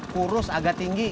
kurus agak tinggi